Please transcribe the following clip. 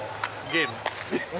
ゲーム？